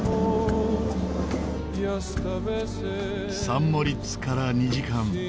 サン・モリッツから２時間。